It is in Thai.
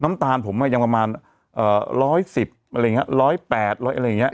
น้ำตาลผมอ่ะยังประมาณเอ่อร้อยสิบอะไรอย่างเงี้ยร้อยแปดอะไรอย่างเงี้ย